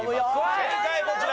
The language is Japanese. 正解こちら。